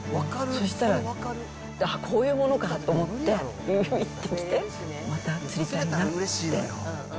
そしたら、あっ、こういうものかと思って、びびびってきて、また釣りたいなって。